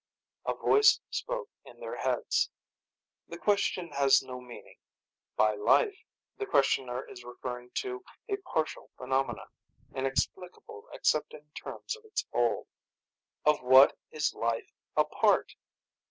A voice spoke in their heads. "The question has no meaning. By 'life,' the Questioner is referring to a partial phenomenon, inexplicable except in terms of its whole." "Of what is life a part?"